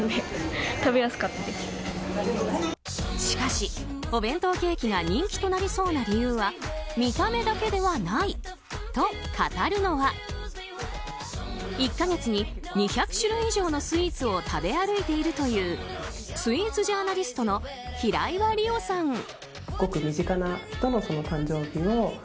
しかし、お弁当ケーキが人気となりそうな理由は見た目だけではないと語るのは１か月に２００種類以上のスイーツを食べ歩いているというスイーツジャーナリストの平岩理緒さん。